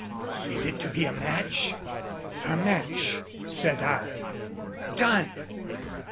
"Is it to be a match?" "A match," said I. Done!